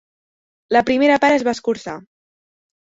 La primera part es va escurçar.